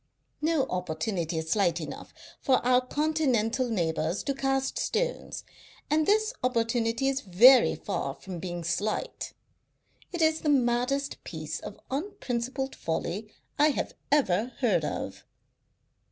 No opportunity is slight enough for our continental neighbours to cast stones, and this opportunity is very far from being slight. It is the maddest piece of unprincipled folly I have ever heard of."